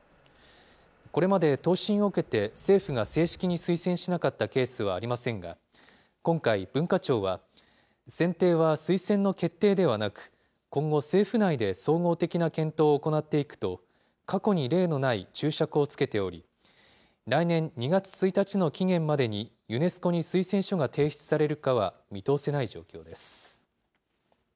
これまで答申を受けて、政府が正式に推薦しなかったケースはありませんが、今回、文化庁は、選定は推薦の決定ではなく、今後、政府内で総合的な検討を行っていくと、過去に例のない注釈を付けており、来年２月１日の期限までに、ユネスコに推薦書が提出されるかは見通せない状況です。